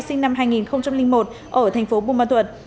dung là một bé gái sinh năm hai nghìn một ở thành phố bù ma thuật